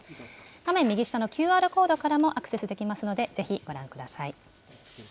画面右下のＱＲコードからもアクセスできますので、ぜひご覧ください。